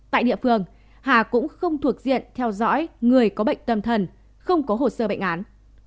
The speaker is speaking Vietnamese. tại địa phương hà cũng không thuộc diện theo dõi người có bệnh tâm thần không có hồ sơ bệnh án